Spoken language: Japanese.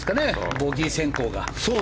ボギー先行が。